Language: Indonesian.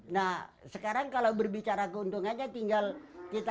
nah sekarang kalau berbicara keuntungannya tinggal kita